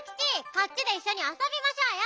こっちでいっしょにあそびましょうよ。